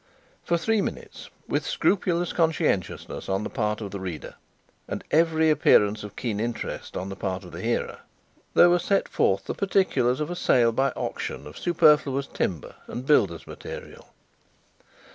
For three minutes, with scrupulous conscientiousness on the part of the reader and every appearance of keen interest on the part of the hearer, there were set forth the particulars of a sale by auction of superfluous timber and builders' material.